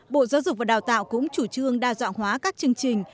bộ giáo dục và đào tạo cũng chủ trương đa dạng hóa các chương trình